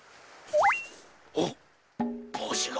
あっぼうしが。